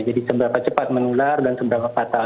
jadi seberapa cepat menular dan seberapa fatal